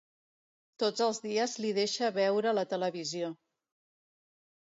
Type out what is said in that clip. Tots els dies li deixe veure la televisió...